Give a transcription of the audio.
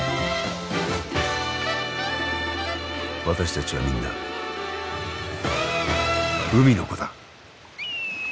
私たちはみんな海の子だ。